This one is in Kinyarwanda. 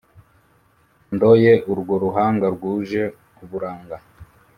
Ndoye urwo ruhanga rwuje uburanga